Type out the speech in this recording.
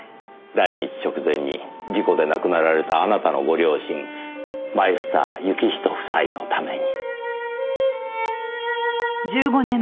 来日直前に事故で亡くなられたあなたのご両親マイスター行人夫妻のために。